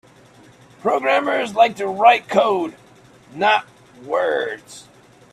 Programmers like to write code; not words.